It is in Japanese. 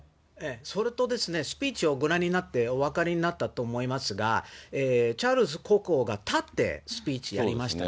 それとですね、スピーチをご覧になってお分かりになったと思いますが、チャールズ国王が立ってスピーチやりましたね。